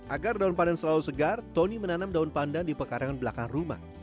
agar daun pandan biar selalu segar tony menanam daun pan dan di pekarangan belakang rumah